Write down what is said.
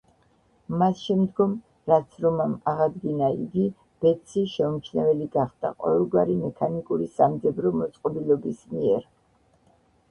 მას შემდგომ, რაც რომამ აღადგინა იგი, ბეტსი შეუმჩნეველი გახდა ყოველგვარი მექანიკური სამძებრო მოწყობილობის მიერ.